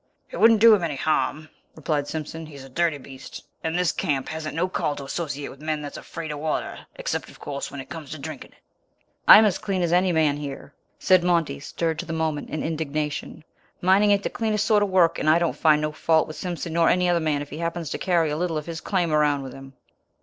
"It wouldn't do him any harm," replied Simpson. "He's a dirty beast, and this camp hasn't no call to associate with men that's afraid of water, except, of course, when it comes to drinking it." "I'm as clean as any man here," said Monty, stirred for the moment to indignation. "Mining ain't the cleanest sort of work, and I don't find no fault with Simpson nor any other man if he happens to carry a little of his claim around with him."